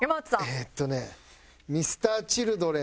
「えーっとねＭｒ．Ｃｈｉｌｄｒｅｎの」